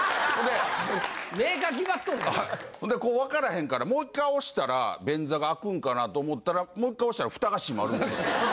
こう分かれへんからもう１回押したら便座が開くんかなと思ったらもう１回押したら蓋が閉まるんです。